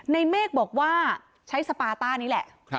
เมฆบอกว่าใช้สปาต้านี้แหละ